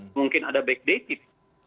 mungkin ada backdating